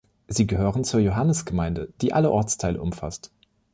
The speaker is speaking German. Sie gehören zur Johannesgemeinde, die alle Ortsteile umfasst.